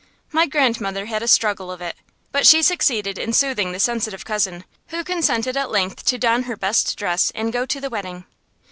My grandmother had a struggle of it, but she succeeded in soothing the sensitive cousin, who consented at length to don her best dress and go to the wedding.